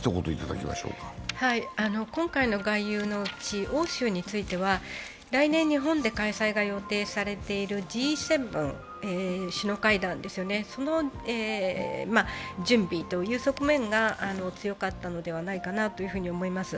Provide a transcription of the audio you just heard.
今回の外遊のうち、欧州については来年、日本で開催が予定されているＧ７首脳会談の準備という側面が強かったのではないかなと思います。